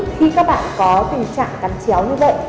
khi các bạn có tình trạng cắn chéo như vậy